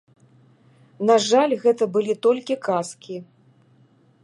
На жаль, гэта былі толькі казкі.